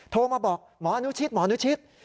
โทรมาบอกหมออนุชิตหมอนุชิต